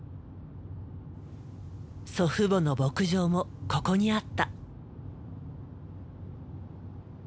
祖父母の牧場もここにあった。